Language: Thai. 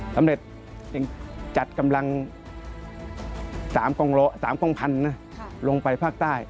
สำเร็จจึงจัดกำลัง๓กล้องพันธุ์ลงไปภาคใต้